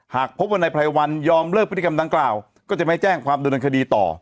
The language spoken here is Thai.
หากพบว่านายไพรวัลยอมเลิกพฤติกรรมดังกล่าวก็จะไม่แจ้งความดำเนินคดีต่อ